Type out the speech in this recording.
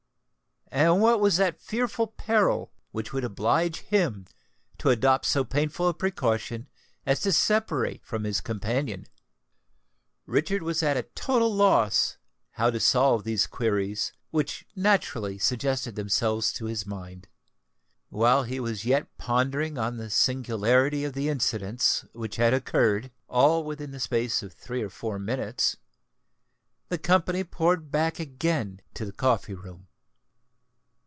and what was that fearful peril which would oblige him to adopt so painful a precaution as to separate from his companion? Richard was at a total loss how to solve these queries which naturally suggested themselves to his mind. While he was yet pondering on the singularity of the incidents which had occurred, all within the space of three or four minutes, the company poured back again to the coffee room.